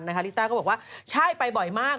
ลิต้าก็บอกว่าใช่ไปบ่อยมาก